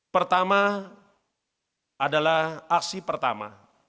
pertama adalah aksi pertama